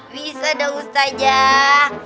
bisa dong ustazah